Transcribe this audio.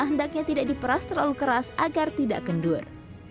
hendaknya tidak diperas terlalu keras agar tidak kendur